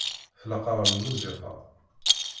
Tlaq-aɣ lmusiqa.